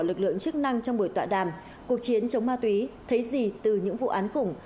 lực lượng chức năng trong buổi tọa đàm cuộc chiến chống ma túy thấy gì từ những vụ án khủng